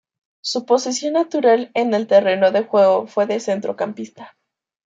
Su posición natural en el terreno de juego fue de centrocampista.